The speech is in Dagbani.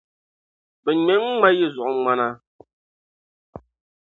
bɛ ŋme n-ŋma yi zuɣuŋmana.